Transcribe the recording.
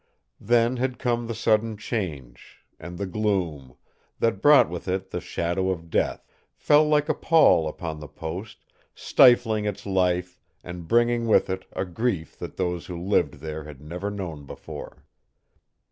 Then had come the sudden change, and the gloom, that brought with it the shadow of death, fell like a pall upon the post, stifling its life, and bringing with it a grief that those who lived there had never known before.